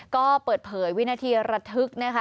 ก็เปิดเผยวินาทีระทึกนะคะ